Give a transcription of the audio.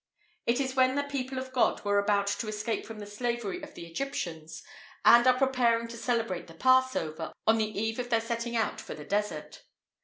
It is when the people of God were about to escape from the slavery of the Egyptians, and are preparing to celebrate the Passover, on the eve of their setting out for the Desert.